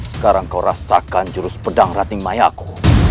sekarang kau rasakan jurus pedang rating mayaku